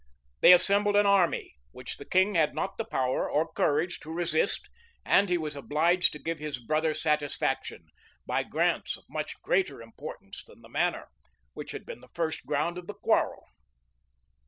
[] They assembled an army, which the king had not the power or courage to resist; and he was obliged to give his brother satisfaction, by grants of much greater importance than the manor, which had been the first ground of the quarrel.